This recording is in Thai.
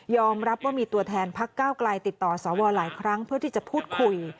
รับว่ามีตัวแทนพักก้าวไกลติดต่อสวหลายครั้งเพื่อที่จะพูดคุย